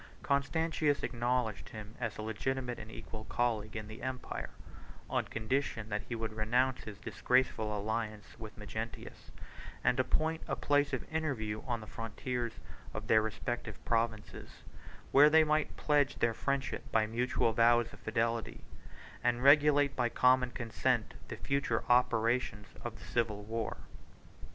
Constantius acknowledged him as a legitimate and equal colleague in the empire, on condition that he would renounce his disgraceful alliance with Magnentius, and appoint a place of interview on the frontiers of their respective provinces; where they might pledge their friendship by mutual vows of fidelity, and regulate by common consent the future operations of the civil war.